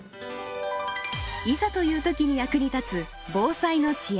いざという時に役に立つ防災の知恵。